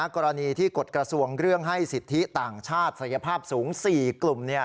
กรณีที่กฎกระทรวงเรื่องให้สิทธิต่างชาติศักยภาพสูง๔กลุ่ม